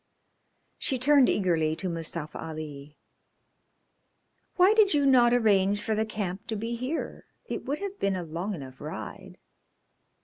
She turned eagerly to Mustafa Ali. "Why did you not arrange for the camp to be here? It would have been a long enough ride."